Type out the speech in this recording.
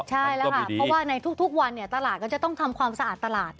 ใช่แล้วค่ะเพราะว่าในทุกวันตลาดก็จะต้องทำความสะอาดตลาด